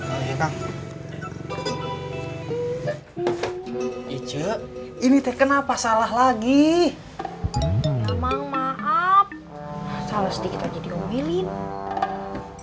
iya kang iya kang ijo ini teh kenapa salah lagi ya emang maaf salah sedikit aja diomelin